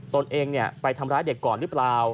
ตนเองเนี่ยไปทำร้ายเด็กก่อนรึเปล่า